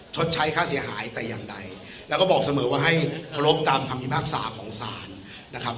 ชดใช้ค่าเสียหายแต่อย่างใดแล้วก็บอกเสมอว่าให้ลบตามคำพิพากษาของศาลนะครับ